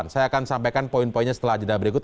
saya akan sampaikan poin poinnya setelah jeda berikut